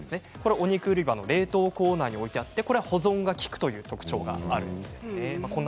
お肉売り場の冷凍コーナーに置いてあって保存が利くという特徴があるんですね。